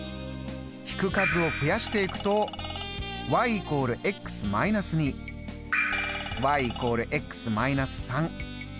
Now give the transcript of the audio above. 引く数を増やしていくとそうです。